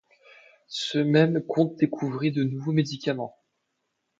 Ce même comte découvrit de nouveaux médicaments.